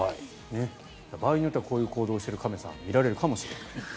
場合によってはこういう行動をする亀さんを見られるかもしれません。